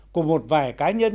của một vài cá nhân